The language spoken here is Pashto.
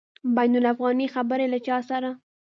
بین الافغاني خبري له چا سره؟